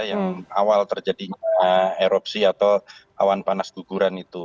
yang awal terjadinya erupsi atau awan panas guguran itu